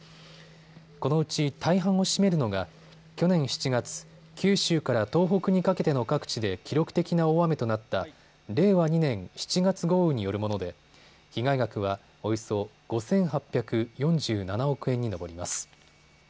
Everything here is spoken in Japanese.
このうち大半を占めるのが去年７月、九州から東北にかけての各地で記録的な大雨となった令和２年７月豪雨によるもので被害額はおよそ５８４７億円に上ります。